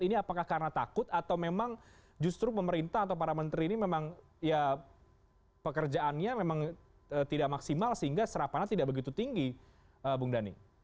ini apakah karena takut atau memang justru pemerintah atau para menteri ini memang ya pekerjaannya memang tidak maksimal sehingga serapannya tidak begitu tinggi bung dhani